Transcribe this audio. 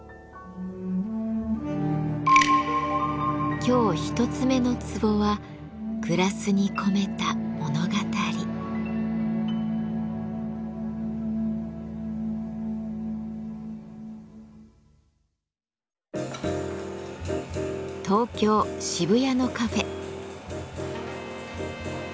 今日一つ目のツボは東京・渋谷のカフェ。